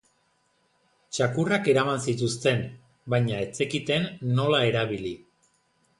Txakurrak eraman zituzten, baina ez zekiten nola erabili.